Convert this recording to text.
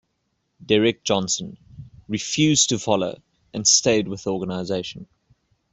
Derrick Johnson refused to follow and stayed with the organisation.